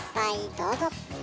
どうぞ。